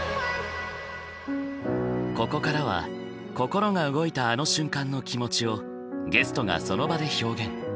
ここからは心が動いたあの瞬間の気持ちをゲストがその場で表現。